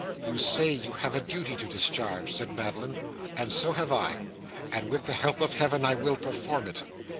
'You say you have a duty to discharge,' said Madeline, 'and so have I. And with the help of Heaven I will perform it.